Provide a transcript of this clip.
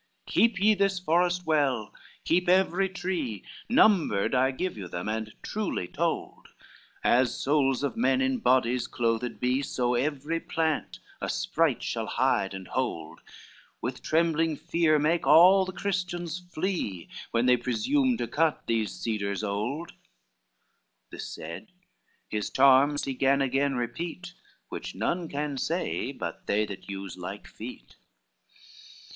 VIII "Keep you this forest well, keep every tree, Numbered I give you them and truly told; As souls of men in bodies clothed be So every plant a sprite shall hide and hold, With trembling fear make all the Christians flee, When they presume to cut these cedars old:" This said, his charms he gan again repeat, Which none can say but they that use like feat.